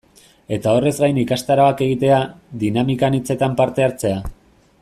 Eta horrez gain ikastaroak egitea, dinamika anitzetan parte hartzea...